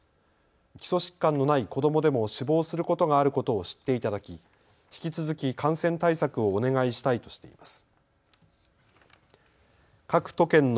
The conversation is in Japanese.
基礎疾患のない子どもでも死亡することがあることを知っていただき引き続き感染対策をお願いしたいとしています。